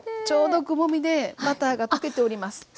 ちょうどくぼみでバターが溶けております。